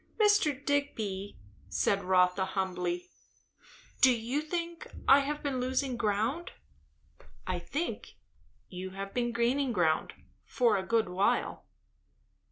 "Mr. Digby," said Rotha humbly, "do you think I have been losing ground?" "I think you have been gaining ground, for a good while."